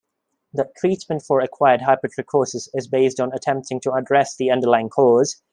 The treatment for acquired hypertrichosis is based on attempting to address the underlying cause.